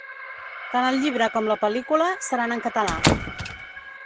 Tant el llibre com la pel·lícula seran en català.